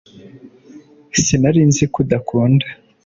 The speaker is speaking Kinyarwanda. Sinari nzi ko udakunda